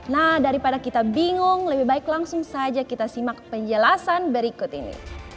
nah daripada kita bingung lebih baik langsung saja kita simak penjelasan berikut ini